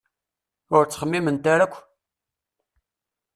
Ur ttxemmiment ara akk!